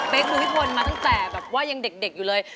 เบ๊กหนูอีทธนมาตั้งแต่ยังเด็กอยู่เลย